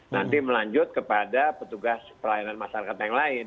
nanti melanjut kepada petugas pelayanan masyarakat yang lain